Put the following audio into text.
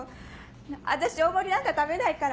私大盛りなんか食べないから。